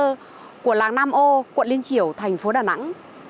hoang sơ của làng nam âu quận liên triểu thành phố đà nẵng